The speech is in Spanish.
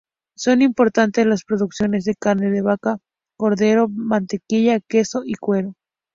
Son importantes las producciones de carne de vaca, cordero, mantequilla, queso y cuero.